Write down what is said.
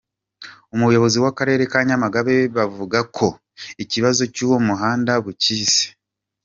Ubuyobozi bw’Akarere ka Nyamagabe buvuga ko ikibazo cy’uwo muhanda bukizi.